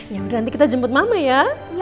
yaudah nanti kita jemput mama ya